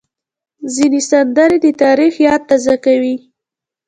ځینې سندرې د تاریخ یاد تازه کوي.